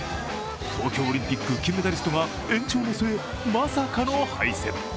東京オリンピック金メダリストが延長の末、まさかの敗戦。